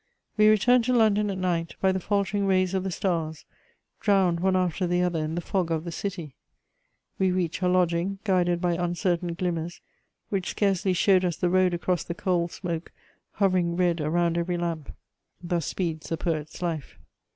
We returned to London, at night, by the faltering rays of the stars, drowned one after the other in the fog of the city. We reached our lodging, guided by uncertain glimmers which scarcely showed us the road across the coal smoke hovering red around every lamp: thus speeds the poet's life.